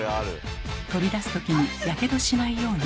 取り出す時にやけどしないように。